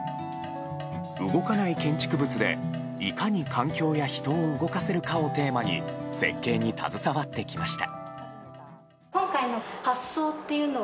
動かない建築物でいかに環境や人を動かせるかをテーマに設計に携わってきました。